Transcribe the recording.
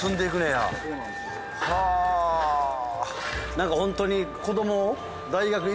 何かホントに。